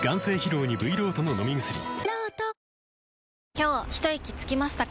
今日ひといきつきましたか？